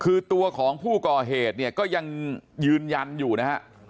คือตัวของผู้ก่อเหตุเนี่ยก็ยังยืนยันอยู่นะฮะ